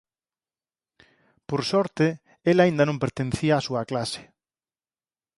Por sorte el aínda non pertencía á súa clase.